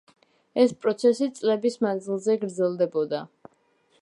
ეს პროცესი წლების მანძილზე გრძელდებოდა.